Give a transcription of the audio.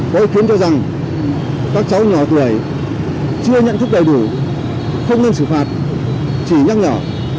có khiến cho rằng các cháu nhỏ tuổi chưa nhận chức đầy đủ không nên xử phạt chỉ nhắc nhở